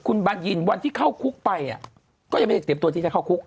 คุณบัญญินวันที่เข้าคุกไปก็ยังไม่ได้เตรียมตัวที่จะเข้าคุก